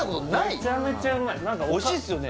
めちゃめちゃうまいおいしいっすよね